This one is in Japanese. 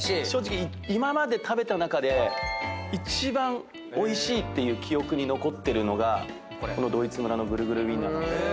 正直今まで食べた中で一番おいしいっていう記憶に残ってるのがこのドイツ村のぐるぐるウィンナー。